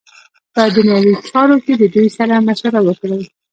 په دنیوی چارو کی ددوی سره مشوره وکړی .